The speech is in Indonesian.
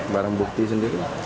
barang bukti sendiri